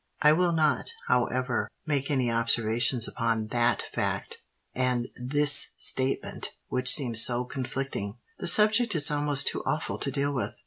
I will not, however, make any observations upon that fact and this statement which seem so conflicting: the subject is almost too awful to deal with.